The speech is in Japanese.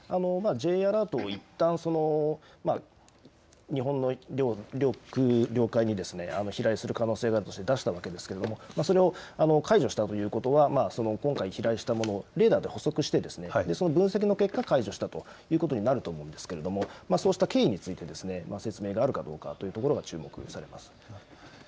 Ｊアラートをいったん、日本の領空、領海に飛来する可能性があるというふうに出したわけですけれども、それを解除したということは、今回、飛来したもの、レーダーで捕捉して、その分析の結果、解除したということになると思うんですけれども、そうした経緯について説明があるかどうかというところが注目されます。